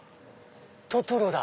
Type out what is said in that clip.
トトロだ。